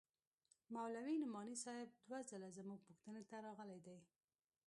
مولوي نعماني صاحب دوه ځله زموږ پوښتنې ته راغلى دى.